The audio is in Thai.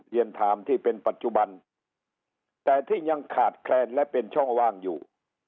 เรียนไทม์ที่เป็นปัจจุบันแต่ที่ยังขาดแคลนและเป็นช่องว่างอยู่